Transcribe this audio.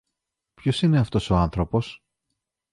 Ποιος είναι αυτός ο άνθρωπος;